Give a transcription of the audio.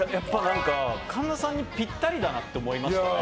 神田さんにぴったりだなって思いましたね。